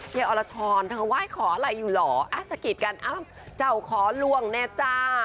อรชรเธอไหว้ขออะไรอยู่เหรอสกิดกันอ้าวเจ้าขอล่วงแน่จ้า